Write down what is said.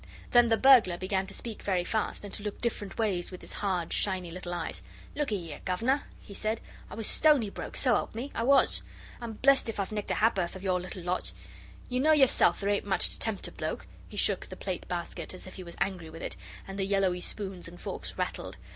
Then the burglar began to speak very fast, and to look different ways with his hard, shiny little eyes. 'Lookee 'ere, governor,' he said, 'I was stony broke, so help me, I was. And blessed if I've nicked a haporth of your little lot. You know yourself there ain't much to tempt a bloke,' he shook the plate basket as if he was angry with it, and the yellowy spoons and forks rattled.